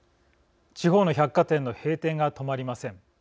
地方の百貨店の閉店が止まりません。